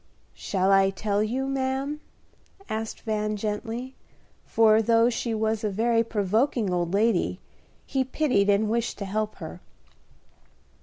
"Shall I tell you, ma'am?" asked Van, gently, for, though she was a very provoking old lady, he pitied and wished to help her.